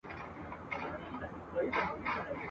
د جګړې ډګر د توپونو له درزا او ټکانو ډک وو.